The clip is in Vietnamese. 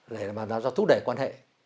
là nó thúc đẩy quan hệ